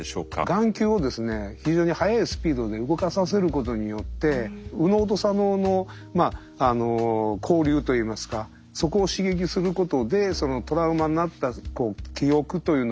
眼球を非常に速いスピードで動かさせることによって右脳と左脳の交流といいますかそこを刺激することでトラウマになった記憶というのを処理していくと。